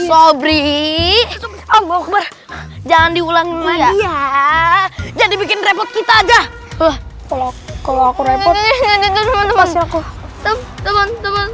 sobrini jangan diulangi ya jadi bikin repot kita aja loh kalau kalau aku repot